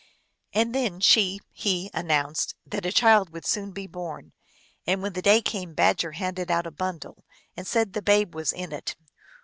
And then she he announced that a child would soon be born. And when the day came Badger handed out a bundle, and said that the babe was in it.